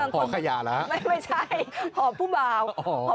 หูขยะหรือครับไม่ค่ะไม่ใช่